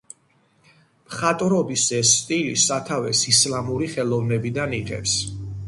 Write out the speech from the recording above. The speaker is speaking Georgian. მხატვრობის ეს სტილი სათავეს ისლამური ხელოვნებიდან იღებს.